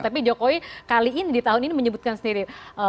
tapi jokowi kali ini di tahun ini menyebutkan sendiri